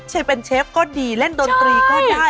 เชฟเป็นเชฟก็ดีเล่นดนตรีก็ได้